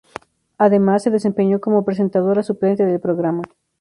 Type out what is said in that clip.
Además, se desempeñó como presentadora suplente del programa.